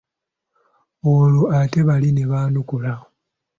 Olwo ate bali ne baanukula.